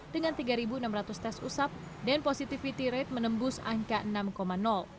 dengan tiga enam ratus tes usap dan positivity rate menembus angka enam